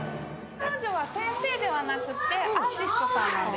彼女は先生ではなくてアーティストさんなんです。